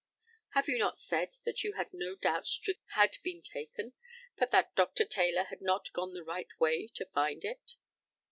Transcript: Have you not said that you had no doubt strychnia had been taken, but that Dr. Taylor had not gone the right way to find it?